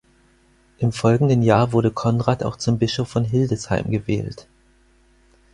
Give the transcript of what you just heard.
Im folgenden Jahr wurde Konrad auch zum Bischof von Hildesheim gewählt.